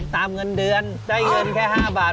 เงินเดือนได้เงินแค่๕บาท